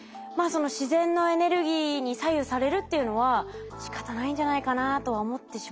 その自然のエネルギーに左右されるっていうのはしかたないんじゃないかなとは思ってしまいますけどね。